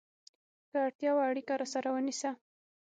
که اړتیا وه، اړیکه راسره ونیسه!